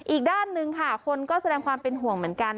อีกด้านหนึ่งค่ะคนก็แสดงความเป็นห่วงเหมือนกัน